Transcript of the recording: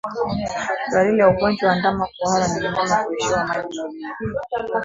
Dalili ya ugonjwa wa ndama kuhara ni mnyama kuishiwa maji mwilini